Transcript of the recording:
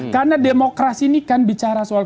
karena demokrasi ini kan bicara soal